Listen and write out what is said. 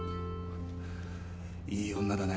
いい女だね。